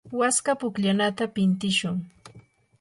waska pukllanata pintishun.